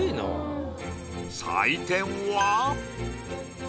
採点は。